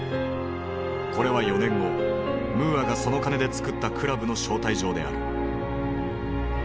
これは４年後ムーアがその金でつくったクラブの招待状である。